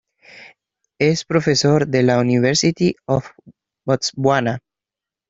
Es profesor de la University of Botswana.